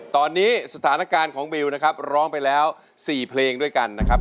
ตอนนี้สถานการณ์ของบิวนะครับร้องไปแล้ว๔เพลงด้วยกันนะครับ